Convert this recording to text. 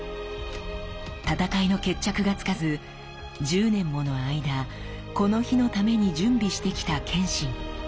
戦いの決着がつかず１０年もの間この日のために準備してきた謙信。